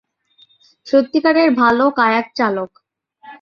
সত্যিকারের ভাল কায়াক চালক।